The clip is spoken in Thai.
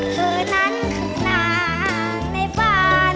เธอนั้นของหน้าในบ้าน